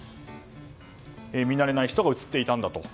見慣れない人が映っていたんだと。